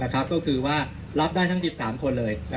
ก็คือว่ารับได้ทั้ง๑๓คนเลย